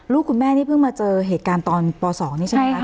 คุณแม่นี่เพิ่งมาเจอเหตุการณ์ตอนป๒นี่ใช่ไหมคะ